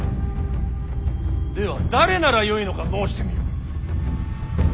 では誰ならよいのか申してみよ。